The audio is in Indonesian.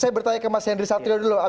saya bertanya ke mas henry satrio dulu